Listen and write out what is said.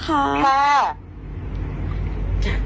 จัดลงรับเบอร์โทรหรอคะ